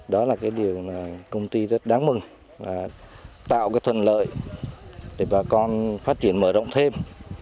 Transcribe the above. đó là cái điều công ty rất đáng mừng tạo cái thuần lợi để bà con phát triển mở rộng thêm